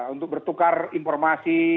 untuk bertukar informasi